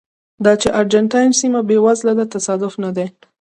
دا چې ارجنټاین سیمه بېوزله ده تصادف نه دی.